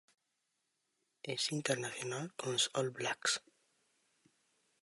Es internacional con los All Blacks.